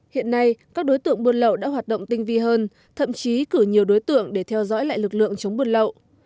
hiện nay các đối tượng buôn lậu đã hoạt động tinh vi hơn thậm chí cử nhiều đối tượng để theo dõi lại lực lượng chống buôn lậu